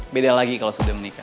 beda lagi kalau sudah menikah